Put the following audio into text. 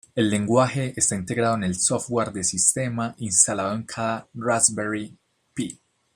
El lenguaje está integrado en el software de sistema instalado en cada Raspberry Pi.